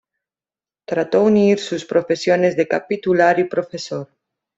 Trato unir sus profesiones de capitular y profesor.